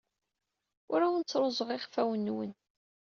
Ur awen-ttruẓuɣ iɣfawen-nwen.